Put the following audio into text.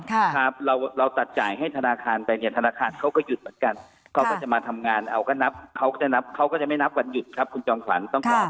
เราเราตัดจ่ายให้ธนาคารไปธนาคารเขาก็หยุดเหมือนกัน